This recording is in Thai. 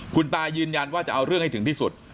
คุณตายืนยันว่าจะเอาเรื่องให้ถึงที่สุด